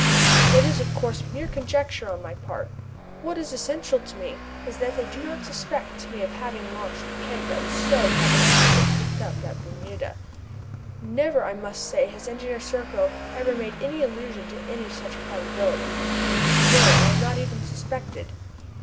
This is, of course, mere conjecture on my part. What is essential to me is that they do not suspect me of having launched the keg that was so providentially picked up at Bermuda. Never, I must say, has Engineer Serko ever made any allusion to any such probability. No, I am not even suspected.